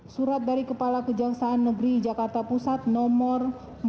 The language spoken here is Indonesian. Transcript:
dua surat dari kepala kejaksaan negeri jakarta pusat nomor empat ratus lima puluh delapan satu sepuluh sembilan